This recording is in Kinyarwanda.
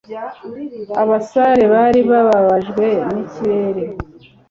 Abasare bari bababajwe nikirere.